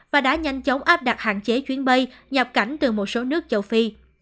và đã nhanh chóng áp đặt hạn chế chuyến bay nhập cảnh từ một số nước châu phi